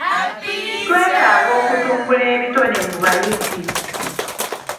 Twetaaga okutumbula ebitone mu bayizi.